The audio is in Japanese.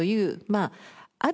まあ